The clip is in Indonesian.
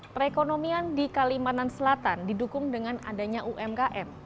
perekonomian di kalimantan selatan didukung dengan adanya umkm